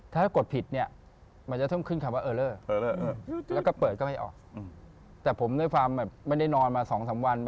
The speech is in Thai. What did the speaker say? ถ้ากดผิดมันจะขึ้นคำว่าเออเรอ